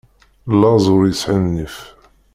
Laẓ ur yesɛi nnif.